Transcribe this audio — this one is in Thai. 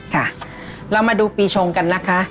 ค่ะเรามาดูปีชงกันนะคะ